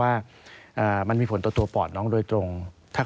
สวัสดีค่ะที่จอมฝันครับ